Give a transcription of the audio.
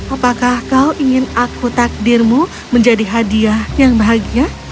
apakah kau ingin aku takdirmu menjadi hadiah yang bahagia